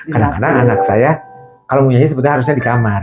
kadang kadang anak saya kalau menyanyi sebetulnya harusnya di kamar